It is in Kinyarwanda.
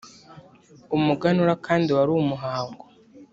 umuganura kandi wari umuhango